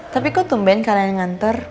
tapi kok tumben kalian nganter